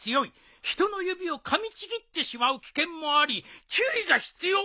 人の指をかみちぎってしまう危険もあり注意が必要？